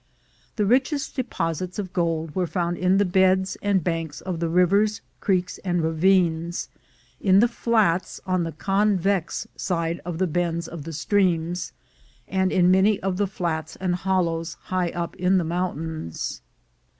iThe richest deposits of gold were found in the beds an3^anks of the rivers, creeks, and ravines, in the flats on the convex side of the bends of the streams, and in many of the flats and hollows high up in the mountains.